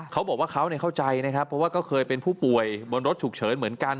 เขาบอกว่าเขาเข้าใจนะครับเพราะว่าก็เคยเป็นผู้ป่วยบนรถฉุกเฉินเหมือนกัน